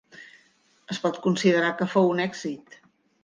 Es pot considerar que fou un èxit.